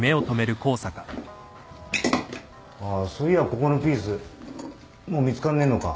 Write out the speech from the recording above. ああそういやここのピースもう見つかんねえのか？